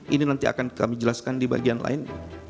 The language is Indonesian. ini nanti akan kami jelaskan di bagian lain